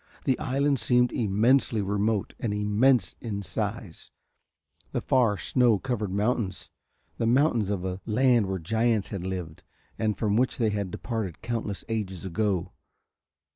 The island seemed immensely remote and immense in size, the far snow covered mountains the mountains of a land where giants had lived and from which they had departed countless ages ago.